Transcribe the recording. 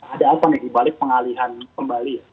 ada apa nih dibalik pengalihan pembali ya